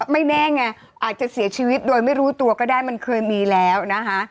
ไม่แน่ไงอาจจะเสียชีวิตโดยไม่รู้ตัวก็ได้มันเคยมีแล้วนะคะ